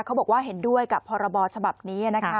เขาบอกว่าเห็นด้วยกับพรบฉบับนี้นะคะ